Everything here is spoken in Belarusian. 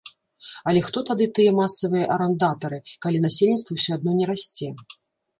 Але хто тады тыя масавыя арандатары, калі насельніцтва ўсё адно не расце.